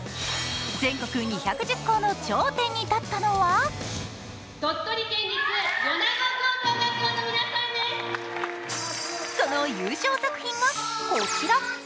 全国２１０校の頂点に立ったのはその優勝作品がこちら。